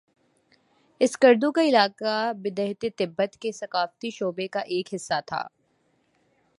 اسکردو کا علاقہ بدھت تبت کے ثقافتی شعبے کا ایک حصہ تھا